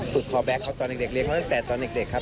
คอแบ็คเขาตอนเด็กเลี้ยมาตั้งแต่ตอนเด็กครับ